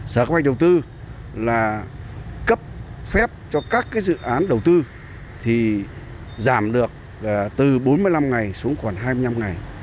sở công an đầu tư cấp phép cho các dự án đầu tư giảm được từ bốn mươi năm ngày xuống khoảng hai mươi năm ngày